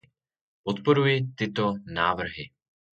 Podporuji tyto návrhy.